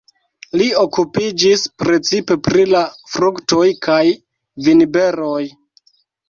Li okupiĝis precipe pri la fruktoj kaj vinberoj.